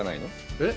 えっ？